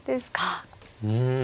うん。